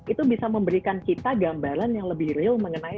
itu bisa memberikan kita gambaran yang lebih real mengenai